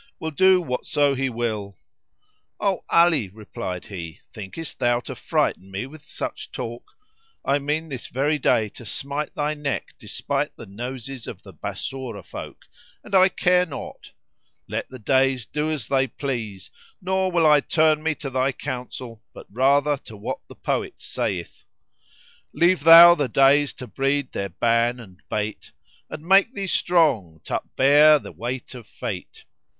will do whatso He will!" "O Ali," replied he, "thinkest thou to frighten me with such talk? I mean this very day to smite thy neck despite the noses of the Bassorah folk and I care not; let the days do as they please; nor will I turn me to thy counsel but rather to what the poet saith, 'Leave thou the days to breed their ban and bate, * And make thee strong t' upbear the weight of Fate.'